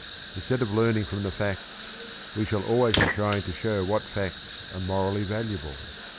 Instead of learning from the facts, we shall always be trying to show what facts are morally valuable.